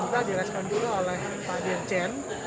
di respon dulu oleh pak dirjen